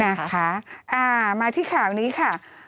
นะคะอ่ามาที่ข่าวนี้ค่ะ